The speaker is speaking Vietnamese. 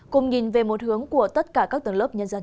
cùng nhìn về một hướng của tất cả các tầng lớp nhân dân